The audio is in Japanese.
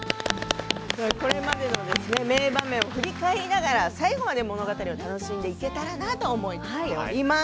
これまでの名場面を振り返りながら最後まで物語を楽しんでいけたらなと思っています。